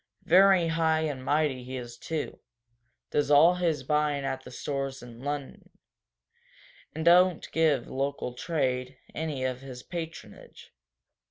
"Very high and mighty he is, too does all his buying at the stores in Lunnon, and don't give local trade any of his patronage."